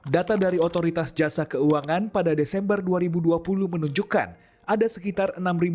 data dari otoritas jasa keuangan pada desember dua ribu dua puluh menunjukkan ada sekitar